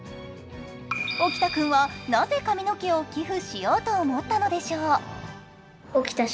沖田君はなぜ髪の毛を寄付しようと思ったのでしょう。